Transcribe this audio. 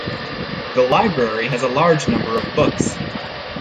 The library has a large number of books.